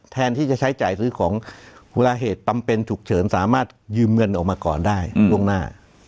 แทนที่จะใช้จ่ายซื้อของเวลาเหตุจำเป็นฉุกเฉินสามารถยืมเงินออกมาก่อนได้ล่วงหน้า